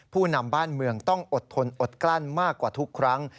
ผู้นำบ้านเมืองต้องอดทนอดกลั้นมากกว่าทุกครั้ง